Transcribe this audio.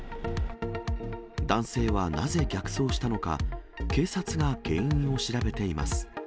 男性はなぜ逆走したのか、警察が原因を調べています。